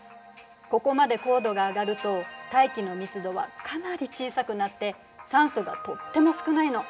ここまで高度が上がると大気の密度はかなり小さくなって酸素がとっても少ないの。